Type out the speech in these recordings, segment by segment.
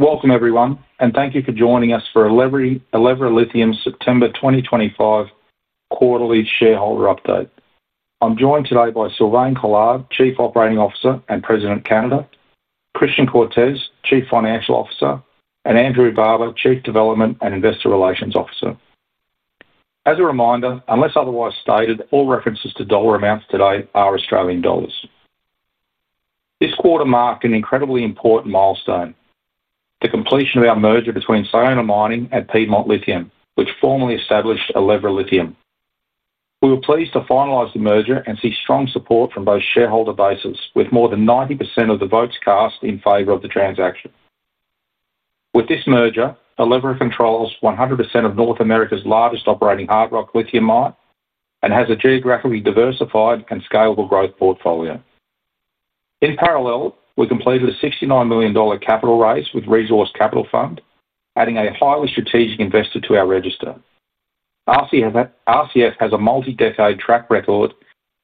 Welcome, everyone, and thank you for joining us for Elevra Lithium's September 2025 Quarterly Shareholder Update. I'm joined today by Sylvain Collard, Chief Operating Officer and President Canada, Christian Cortes, Chief Financial Officer, and Andrew Barber, Chief Development and Investor Relations Officer. As a reminder, unless otherwise stated, all references to dollar amounts today are Australian dollars. This quarter marked an incredibly important milestone: the completion of our merger between Sayona Mining and Piedmont Lithium, which formally established Elevra Lithium. We were pleased to finalize the merger and see strong support from both shareholder bases, with more than 90% of the votes cast in favor of the transaction. With this merger, Elevra controls 100% of North America's largest operating hard rock lithium mine and has a geographically diversified and scalable growth portfolio. In parallel, we completed a 69 million dollar capital raise with Resource Capital Fund, adding a highly strategic investor to our register. Resource Capital Fund has a multi-decade track record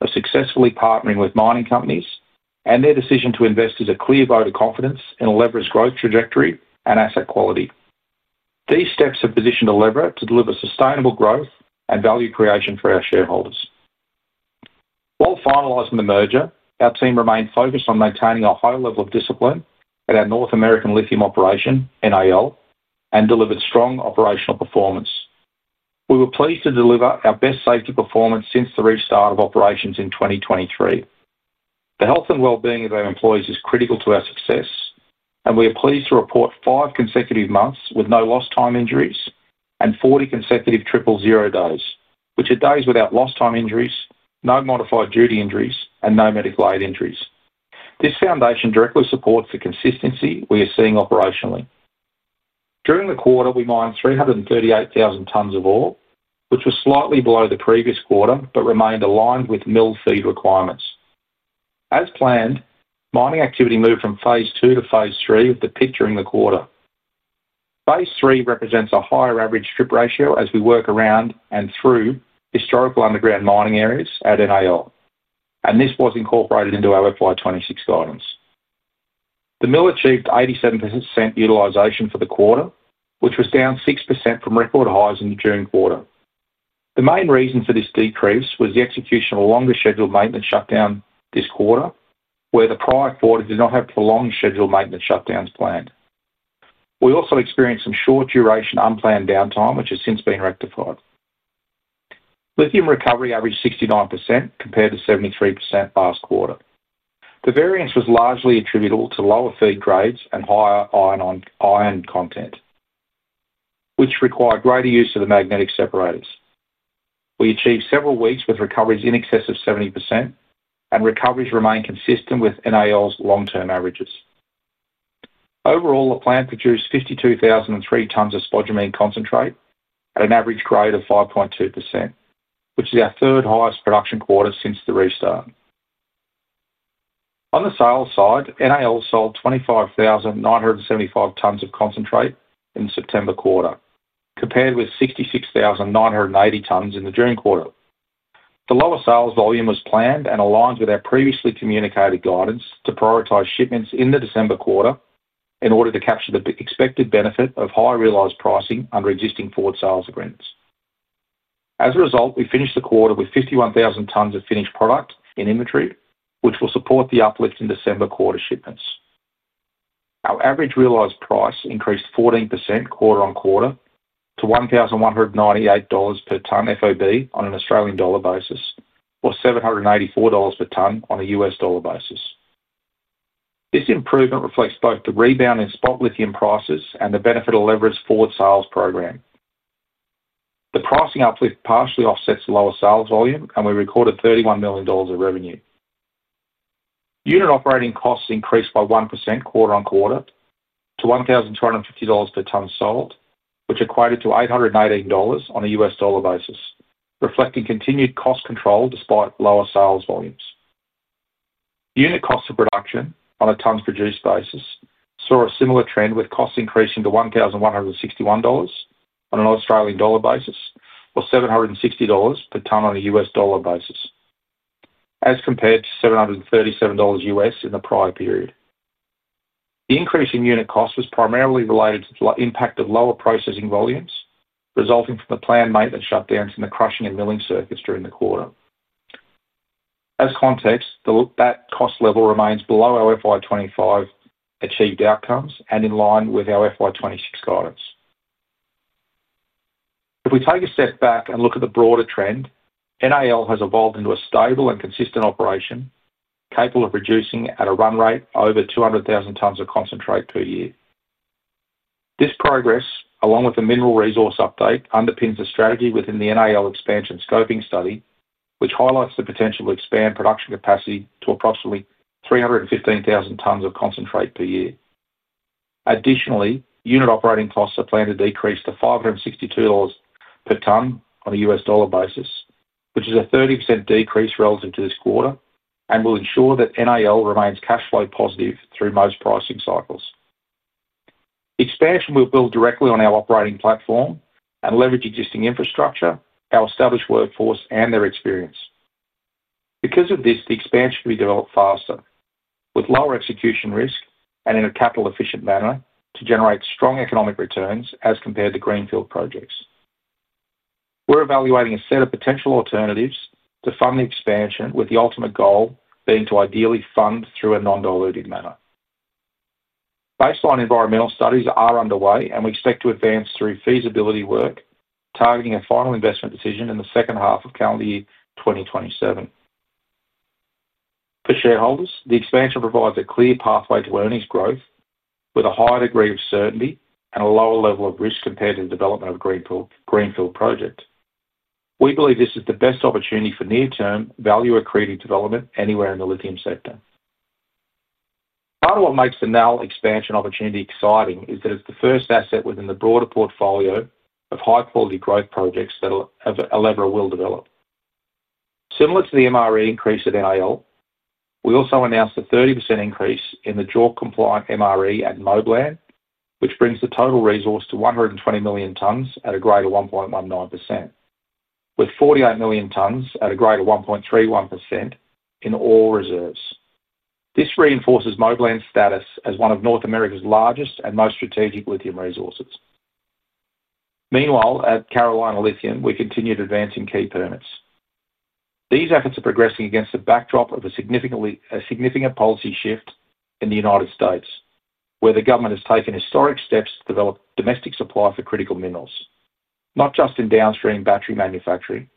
of successfully partnering with mining companies, and their decision to invest is a clear vote of confidence in Elevra's growth trajectory and asset quality. These steps have positioned Elevra to deliver sustainable growth and value creation for our shareholders. While finalizing the merger, our team remained focused on maintaining a high level of discipline at our North American Lithium operation, NAL, and delivered strong operational performance. We were pleased to deliver our best safety performance since the restart of operations in 2023. The health and well-being of our employees is critical to our success, and we are pleased to report five consecutive months with no lost time injuries and 40 consecutive triple zero days, which are days without lost time injuries, no modified duty injuries, and no medical aid injuries. This foundation directly supports the consistency we are seeing operationally. During the quarter, we mined 338,000 tonnes of ore, which was slightly below the previous quarter but remained aligned with mill feed requirements. As planned, mining activity moved from phase two to phase three with the peak during the quarter. Phase three represents a higher average trip ratio as we work around and through historical underground mining areas at NAL, and this was incorporated into our FY 26 guidance. The mill achieved 87% utilisation for the quarter, which was down 6% from record highs in the June quarter. The main reason for this decrease was the execution of a longer scheduled maintenance shutdown this quarter, where the prior quarter did not have prolonged scheduled maintenance shutdowns planned. We also experienced some short-duration unplanned downtime, which has since been rectified. Lithium recovery averaged 69% compared to 73% last quarter. The variance was largely attributable to lower feed grades and higher iron content, which required greater use of the magnetic separators. We achieved several weeks with recoveries in excess of 70%, and recoveries remain consistent with NAL's long-term averages. Overall, the plant produced 52,003 tonnes of spodumene concentrate at an average grade of 5.2%, which is our third highest production quarter since the restart. On the sales side, NAL sold 25,975 tonnes of concentrate in the September quarter, compared with 66,980 tonnes in the June quarter. The lower sales volume was planned and aligned with our previously communicated guidance to prioritise shipments in the December quarter in order to capture the expected benefit of high realised pricing under existing forward sales agreements. As a result, we finished the quarter with 51,000 tonnes of finished product in inventory, which will support the uplift in December quarter shipments. Our average realised price increased 14% quarter-on-quarter to 1,198 dollars per tonne FOB on an Australian dollar basis, or $784 per tonne on a U.S. dollar basis. This improvement reflects both the rebound in spot lithium prices and the benefit of Elevra Lithium's forward sales programme. The pricing uplift partially offsets the lower sales volume, and we recorded 31 million dollars of revenue. Unit operating costs increased by 1% quarter-on-quarter to 1,250 dollars per tonne sold, which equated to $818 on a U.S. dollar basis, reflecting continued cost control despite lower sales volumes. Unit cost of production on a tonnes produced basis saw a similar trend, with costs increasing to 1,161 dollars on an Australian dollar basis, or $760 per tonne on a U.S. dollar basis, as compared to 737 US in the prior period. The increase in unit cost was primarily related to the impact of lower processing volumes resulting from the planned maintenance shutdowns in the crushing and milling circuits during the quarter. As context, that cost level remains below our FY 2025 achieved outcomes and in line with our FY 2026 guidance. If we take a step back and look at the broader trend, NAL has evolved into a stable and consistent operation, capable of producing at a run rate over 200,000 tonnes of concentrate per year. This progress, along with the mineral resource update, underpins a strategy within the NAL expansion scoping study, which highlights the potential to expand production capacity to approximately 315,000 tonnes of concentrate per year. Additionally, unit operating costs are planned to decrease to $562 per tonne on a U.S. dollar basis, which is a 30% decrease relative to this quarter and will ensure that NAL remains cash flow positive through most pricing cycles. Expansion will build directly on our operating platform and leverage existing infrastructure, our established workforce, and their experience. Because of this, the expansion can be developed faster, with lower execution risk and in a capital-efficient manner to generate strong economic returns as compared to greenfield projects. We're evaluating a set of potential alternatives to fund the expansion, with the ultimate goal being to ideally fund through a non-dilutive manner. Baseline environmental studies are underway, and we expect to advance through feasibility work, targeting a final investment decision in the second half of calendar year 2027. For shareholders, the expansion provides a clear pathway to earnings growth with a higher degree of certainty and a lower level of risk compared to the development of a greenfield project. We believe this is the best opportunity for near-term value accretive development anywhere in the lithium sector. Part of what makes the NAL expansion opportunity exciting is that it's the first asset within the broader portfolio of high-quality growth projects that Elevra Lithium will develop. Similar to the MRE increase at NAL, we also announced a 30% increase in the JORC-compliant MRE at Moblan, which brings the total resource to 120 million tonnes at a grade of 1.19%, with 48 million tonnes at a grade of 1.31% in all reserves. This reinforces Moblan's status as one of North America's largest and most strategic lithium resources. Meanwhile, at Carolina Lithium, we continue to advance in key permits. These efforts are progressing against the backdrop of a significant policy shift in the U.S., where the government has taken historic steps to develop domestic supply for critical minerals, not just in downstream battery manufacturing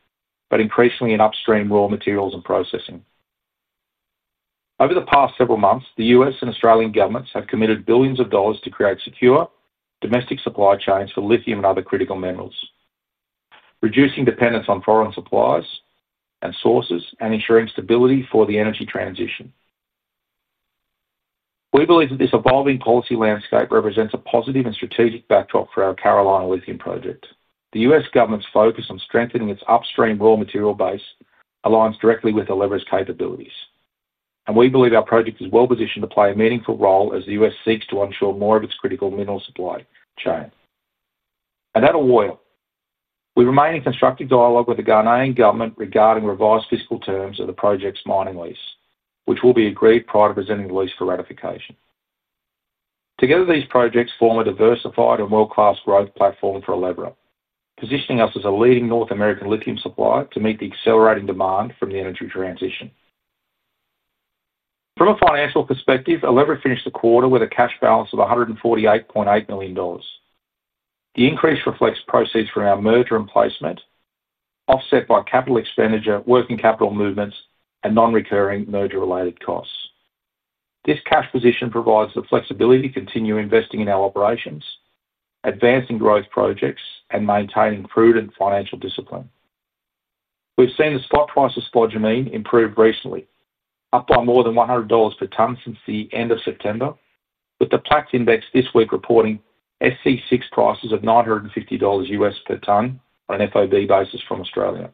but increasingly in upstream raw materials and processing. Over the past several months, the U.S. and Australian governments have committed billions of dollars to create secure domestic supply chains for lithium and other critical minerals, reducing dependence on foreign supplies and sources, and ensuring stability for the energy transition. We believe that this evolving policy landscape represents a positive and strategic backdrop for our Carolina Lithium project. The U.S. government's focus on strengthening its upstream raw material base aligns directly with Elevra Lithium's capabilities, and we believe our project is well positioned to play a meaningful role as the U.S. seeks to ensure more of its critical mineral supply chain. At Ewoyaa, we remain in constructive dialogue with the Ghanaian government regarding revised fiscal terms of the project's mining lease, which will be agreed prior to presenting the lease for ratification. Together, these projects form a diversified and world-class growth platform for Elevra Lithium, positioning us as a leading North American lithium supplier to meet the accelerating demand from the energy transition. From a financial perspective, Elevra Lithium finished the quarter with a cash balance of 148.8 million dollars. The increase reflects proceeds from our merger and placement, offset by capital expenditure, working capital movements, and non-recurring merger-related costs. This cash position provides the flexibility to continue investing in our operations, advancing growth projects, and maintaining prudent financial discipline. We've seen the spot price of spodumene improve recently, up by more than 100 dollars per tonne since the end of September, with the PLACT Index this week reporting SC6 prices of $950 U.S. per tonne on an FOB basis from Australia.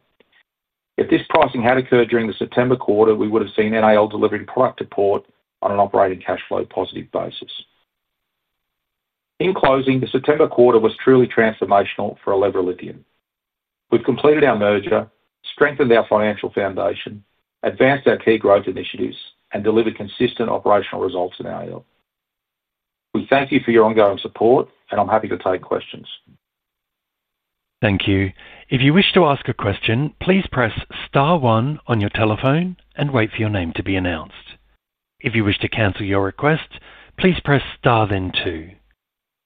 If this pricing had occurred during the September quarter, we would have seen NAL delivering product to port on an operating cash flow positive basis. In closing, the September quarter was truly transformational for Elevra Lithium. We've completed our merger, strengthened our financial foundation, advanced our key growth initiatives, and delivered consistent operational results in NAL. We thank you for your ongoing support, and I'm happy to take questions. Thank you. If you wish to ask a question, please press star one on your telephone and wait for your name to be announced. If you wish to cancel your request, please press star then two.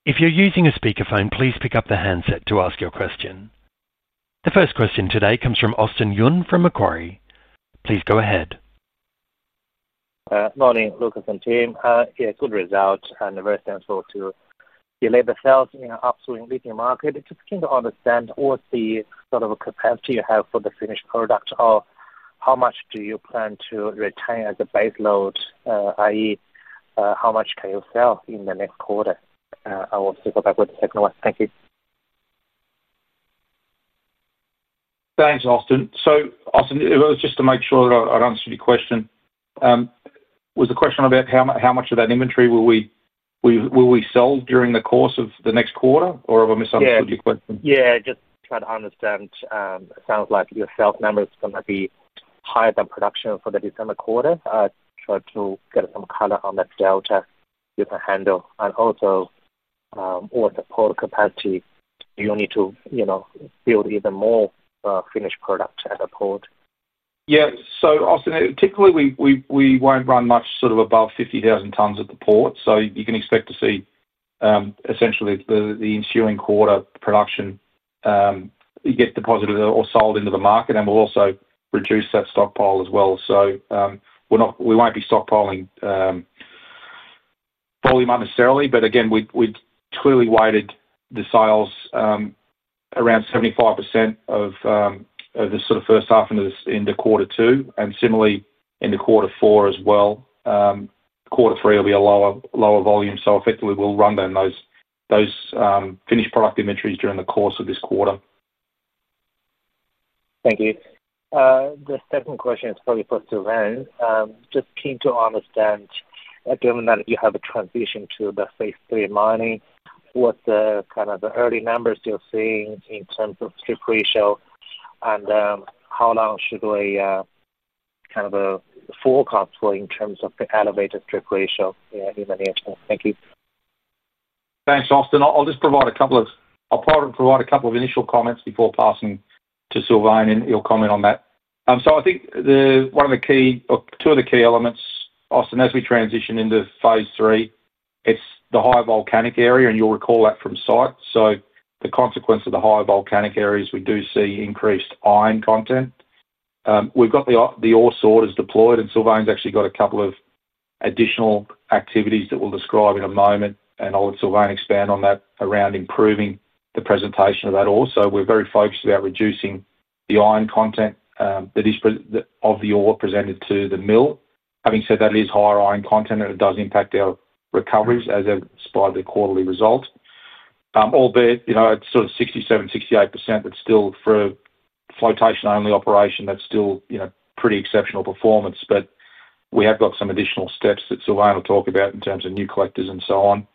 If you're using a speakerphone, please pick up the handset to ask your question. The first question today comes from Austin Yun from Macquarie. Please go ahead. Morning, Lucas and team. Yes, good result, and I'm very thankful too. You laid the sales in an upswing lithium market. Just can you understand what the sort of capacity you have for the finished product, or how much do you plan to retain as a base load, i.e., how much can you sell in the next quarter? I will circle back with the second one. Thank you. Thanks, Austin. Austin, it was just to make sure that I'd answered your question. Was the question about how much of that inventory we will sell during the course of the next quarter, or have I misunderstood your question? Yeah, just trying to understand. It sounds like your sales numbers are going to be higher than production for the December quarter. Trying to get some color on that delta you can handle. Also, what's the port capacity you need to, you know, build even more finished product at the port? Yeah. Austin, typically we won't run much sort of above 50,000 tonnes at the port, so you can expect to see essentially the ensuing quarter production get deposited or sold into the market, and we'll also reduce that stockpile as well. We won't be stockpiling volume unnecessarily, but again, we clearly weighted the sales, around 75% of the sort of first half into quarter two, and similarly into quarter four as well. Quarter three will be a lower, lower volume, so effectively we'll run those finished product inventories during the course of this quarter. Thank you. The second question is probably for Sylvain. Just keen to understand, given that you have a transition to the phase three mining, what's the kind of the early numbers you're seeing in terms of strip ratio, and how long should we kind of forecast for in terms of the elevated strip ratio in the near term? Thank you. Thanks, Austin. I'll just provide a couple of initial comments before passing to Sylvain, and you'll comment on that. I think one of the key or two of the key elements, Austin, as we transition into phase three, it's the high volcanic area, and you'll recall that from site. The consequence of the high volcanic area is we do see increased iron content. We've got the ore sorters deployed, and Sylvain's actually got a couple of additional activities that we'll describe in a moment, and I'll let Sylvain expand on that around improving the presentation of that ore. We're very focused about reducing the iron content that is of the ore presented to the mill. Having said that, it is higher iron content, and it does impact our recoveries as a spot of the quarterly result, albeit, you know, it's sort of 67%, 68%, but still for a flotation-only operation, that's still, you know, pretty exceptional performance. We have got some additional steps that Sylvain will talk about in terms of new collectors and so on.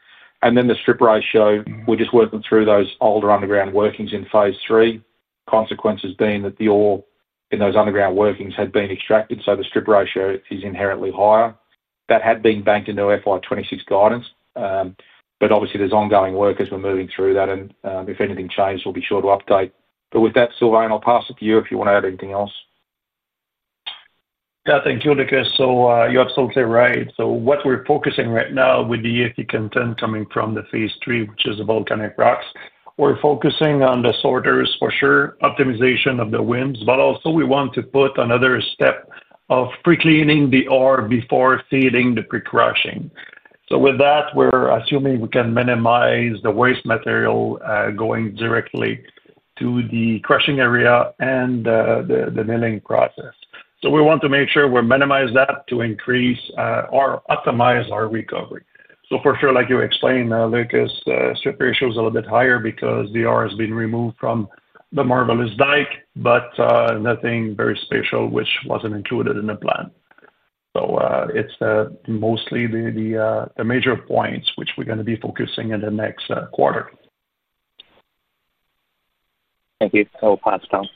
The strip ratio, we're just working through those older underground workings in phase three, consequences being that the ore in those underground workings had been extracted, so the strip ratio is inherently higher. That had been banked into FY 2026 guidance, but obviously there's ongoing work as we're moving through that, and, if anything changes, we'll be sure to update. With that, Sylvain, I'll pass it to you if you want to add anything else. Yeah, thank you, Lucas. You're absolutely right. What we're focusing on right now with the earthy content coming from the phase three, which is the volcanic rocks, we're focusing on the sorters for sure, optimization of the winds, but also we want to put another step of pre-cleaning the ore before feeding the pre-crushing. With that, we're assuming we can minimize the waste material going directly to the crushing area and the milling process. We want to make sure we minimize that to increase or optimize our recovery. For sure, like you explained, Lucas, strip ratio is a little bit higher because the ore has been removed from the marvelous dike, but nothing very special, which wasn't included in the plan. It's mostly the major points which we're going to be focusing in the next quarter. Thank you. I will pass it on.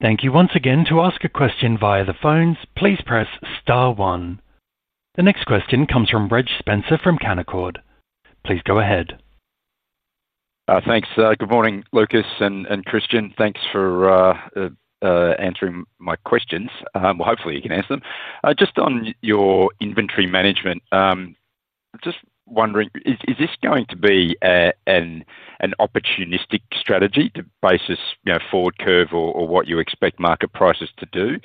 Thank you. Once again, to ask a question via the phones, please press star one. The next question comes from Reg Spencer from Canaccord. Please go ahead. Thanks. Good morning, Lucas and Christian. Thanks for answering my questions. Hopefully, you can answer them. Just on your inventory management, I'm just wondering, is this going to be an opportunistic strategy to base this forward curve or what you expect market prices to do,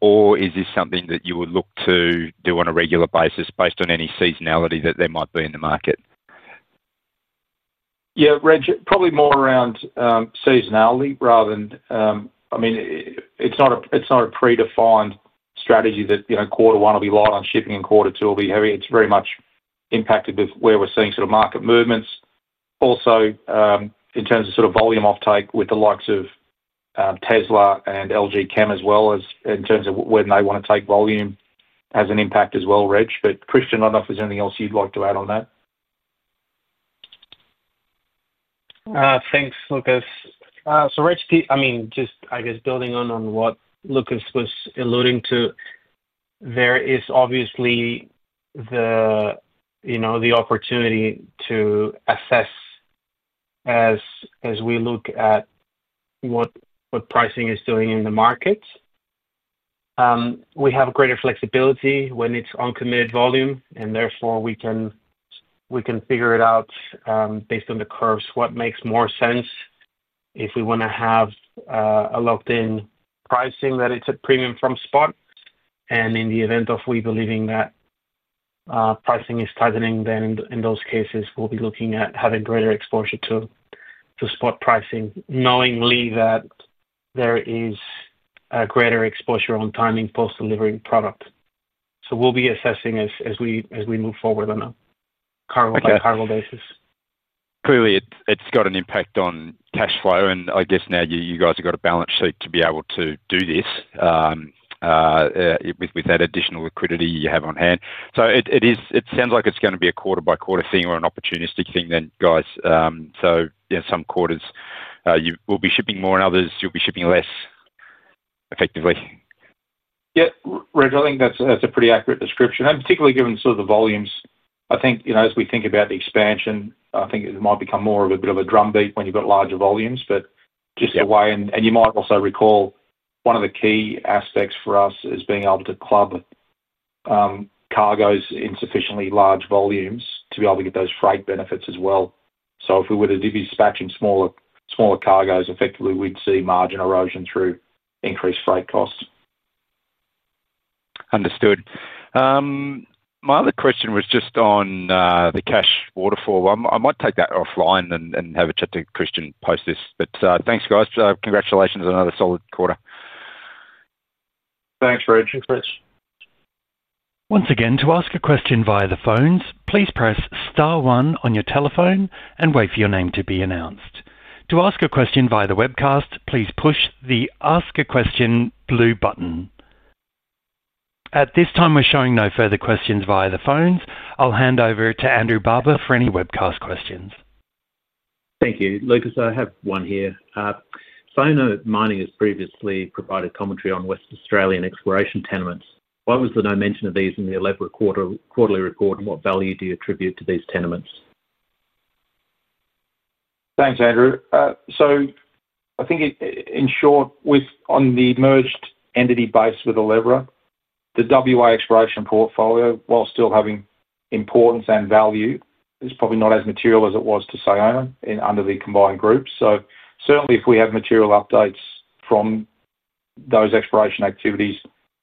or is this something that you would look to do on a regular basis based on any seasonality that there might be in the market? Yeah, Reg, probably more around seasonality rather than, I mean, it's not a predefined strategy that, you know, quarter one will be light on shipping and quarter two will be heavy. It's very much impacted with where we're seeing sort of market movements. Also, in terms of sort of volume offtake with the likes of Tesla and LG Chem, as well as in terms of when they want to take volume, has an impact as well, Reg. Christian, I don't know if there's anything else you'd like to add on that. Thanks, Lucas. Reg, just building on what Lucas was alluding to, there is obviously the opportunity to assess as we look at what pricing is doing in the markets. We have greater flexibility when it's uncommitted volume, and therefore we can figure it out based on the curves what makes more sense if we want to have a locked-in pricing that is at premium from spot. In the event of us believing that pricing is tightening, in those cases, we'll be looking at having greater exposure to spot pricing, knowingly that there is a greater exposure on timing post-delivery product. We'll be assessing as we move forward on a cargo by cargo basis. Clearly, it's got an impact on cash flow, and I guess now you guys have got a balance sheet to be able to do this, with that additional liquidity you have on hand. It sounds like it's going to be a quarter-by-quarter thing or an opportunistic thing then, guys. You know some quarters you will be shipping more and others you'll be shipping less effectively. Yeah, Reg, I think that's a pretty accurate description. Particularly given the volumes, as we think about the expansion, it might become more of a bit of a drumbeat when you've got larger volumes. Just the way, and you might also recall, one of the key aspects for us is being able to club cargoes in sufficiently large volumes to be able to get those freight benefits as well. If we were to be dispatching smaller cargoes, effectively, we'd see margin erosion through increased freight costs. Understood. My other question was just on the cash waterfall. I might take that offline and have a chat to Christian post this. Thanks, guys. Congratulations on another solid quarter. Thanks, Reg. Thanks, Reg. Once again, to ask a question via the phones, please press star one on your telephone and wait for your name to be announced. To ask a question via the webcast, please push the Ask a Question blue button. At this time, we're showing no further questions via the phones. I'll hand over to Andrew Barber for any webcast questions. Thank you. Lucas, I have one here. Sayona Mining has previously provided commentary on West Australian exploration tenements. Why was there no mention of these in the Elevra quarterly report, and what value do you attribute to these tenements? Thanks, Andrew. I think in short, with the merged entity base with Elevra Lithium, the WA exploration portfolio, while still having importance and value, is probably not as material as it was to Sayona under the combined group. Certainly, if we have material updates from those exploration activities,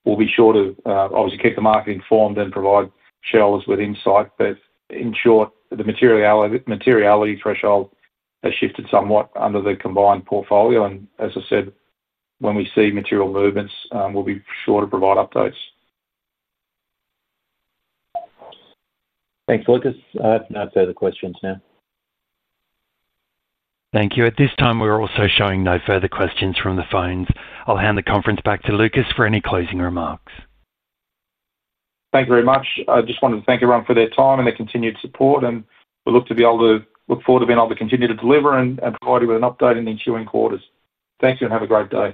we'll be sure to obviously keep the market informed and provide shareholders with insight. In short, the materiality threshold has shifted somewhat under the combined portfolio. As I said, when we see material movements, we'll be sure to provide updates. Thanks, Lucas. I have no further questions now. Thank you. At this time, we're also showing no further questions from the phones. I'll hand the conference back to Lucas for any closing remarks. Thank you very much. I just wanted to thank everyone for their time and their continued support, and we look forward to being able to continue to deliver and provide you with an update in the ensuing quarters. Thank you and have a great day.